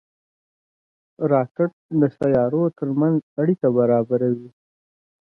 راکټ د سیارو ترمنځ اړیکه برابروي